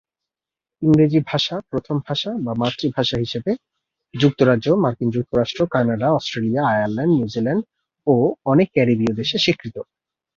ইংরেজি ভাষা প্রথম ভাষা বা মাতৃভাষা হিসেবে যুক্তরাজ্য, মার্কিন যুক্তরাষ্ট্র, কানাডা, অস্ট্রেলিয়া, আয়ারল্যান্ড, নিউজিল্যান্ড ও অনেক ক্যারিবীয় দেশে স্বীকৃত।